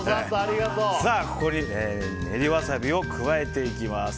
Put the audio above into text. ここに練りワサビを加えていきます。